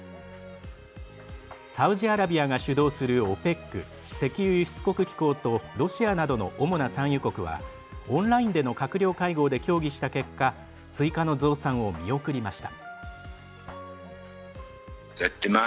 サウジアラビアが主導するＯＰＥＣ＝石油輸出国機構とロシアなどの主な産油国はオンラインでの閣僚会合で協議した結果追加の増産を見送りました。